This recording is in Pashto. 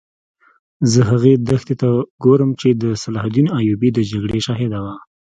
زه هغې دښتې ته ګورم چې د صلاح الدین ایوبي د جګړې شاهده وه.